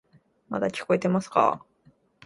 まだ聞こえていますか？